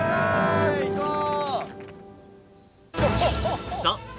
いこう！